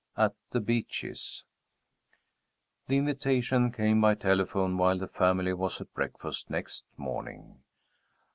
AT THE BEECHES The invitation came by telephone while the family was at breakfast next morning.